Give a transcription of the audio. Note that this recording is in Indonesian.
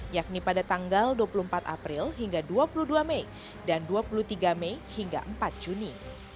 yakni pada tanggal dua puluh empat april hingga dua puluh dua mei dan dua puluh tiga mei hingga empat juni